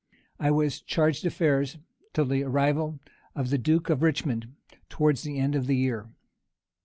I was chargé d'affaires till the arrival of the duke of Richmond, towards the end of the year.